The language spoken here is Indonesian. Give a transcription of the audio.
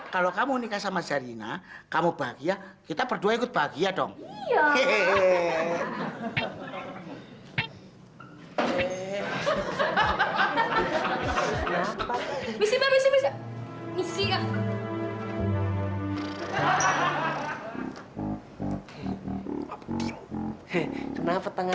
kalau kamu nikah sama zarina kamu bahagia kita berdua ikut bahagia dong